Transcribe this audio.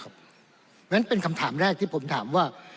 เพราะฉะนั้นเป็นคำถามแรกที่ผมถามว่า